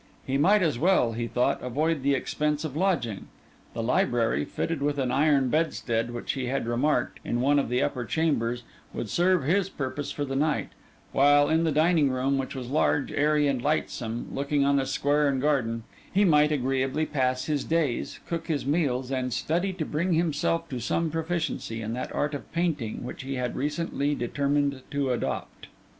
He might as well, he thought, avoid the expense of lodging: the library, fitted with an iron bedstead which he had remarked, in one of the upper chambers, would serve his purpose for the night; while in the dining room, which was large, airy, and lightsome, looking on the square and garden, he might very agreeably pass his days, cook his meals, and study to bring himself to some proficiency in that art of painting which he had recently determined to adopt.